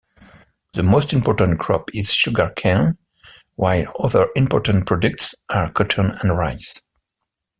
The most important crop is sugarcane, while other important products are cotton and rice.